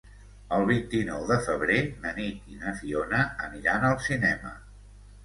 El vint-i-nou de febrer na Nit i na Fiona aniran al cinema.